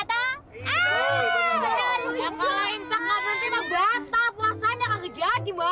kalau imsa gak berhenti mah batal puasanya gak jadi mbak